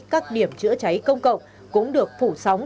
các điểm chữa cháy công cộng cũng được phủ sóng